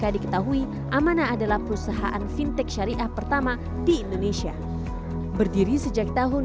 berdiri sejak tahun dua ribu sepuluh amana adalah perusahaan fintech syariah pertama di indonesia berdiri sejak tahun dua ribu sepuluh